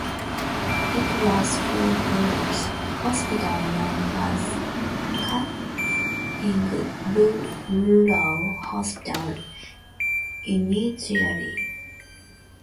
It was full fledge hospital known us Kakching Rural Hospital initially.